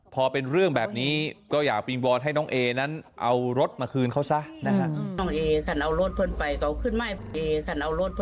พอเป็นเรื่องแบบนี้ก็อยากวิงวอนให้น้องเอนั้นเอารถมาคืนเขาซะนะฮะ